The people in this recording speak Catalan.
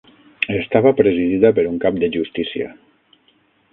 Estava presidida per un Cap de justícia.